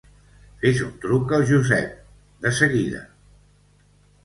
Fes un truc al Josep, de seguida.